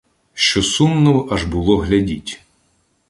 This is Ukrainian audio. Що сумно аж було глядіть.